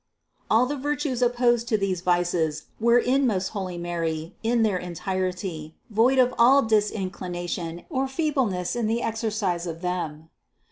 All the virtues opposed to these vices were in most holy Mary in their entirety, void of all disinclina tion or feebleness in the exercise of them.